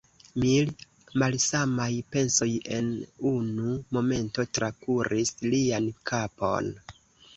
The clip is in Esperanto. Mil malsamaj pensoj en unu momento trakuris lian kapon.